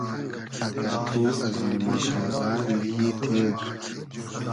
اگۂ تو از نیماز رۉزۂ نی یی تېر